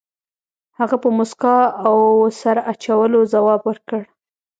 هغه په موسکا او سر اچولو ځواب ورکړ.